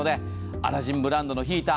アラジンブランドのヒーター